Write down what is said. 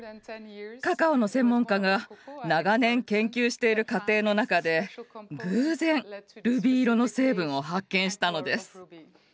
カカオの専門家が長年研究している過程の中で偶然ルビー色の成分を発見したのです。